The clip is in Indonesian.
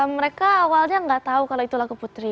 mereka awalnya nggak tahu kalau itu lagu putri